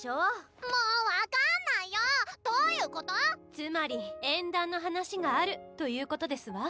つまり縁談の話があるということですわ。